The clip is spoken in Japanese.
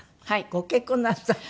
ご結婚なさった？